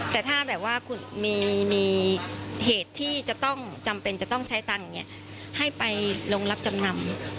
แต่ถ้าแบบว่าคุณมีเหตุที่จะต้องจำเป็นจะต้องใช้ตังค์ให้ไปลงรับจำนำ